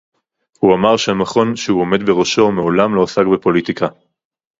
הוא אמר שהמכון שהוא עמד בראשו מעולם לא עסק בפוליטיקה